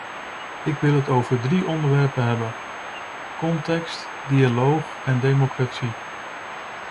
Ik wil het over drie onderwerpen hebben: context, dialoog en democratie.